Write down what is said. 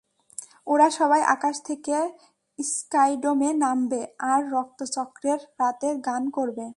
ওরা সবাই আকাশ থেকে স্কাইডোমে নামবে, আর রক্তচন্দ্রের রাতে গান করবে।